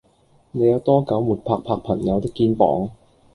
你有多久沒拍拍朋友的肩膀